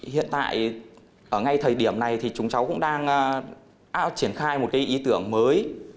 hiện tại ở ngay thời điểm này thì chúng cháu cũng đang triển khai một cái ý tưởng mới